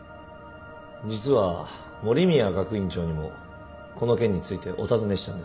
実は守宮学院長にもこの件についてお尋ねしたんです。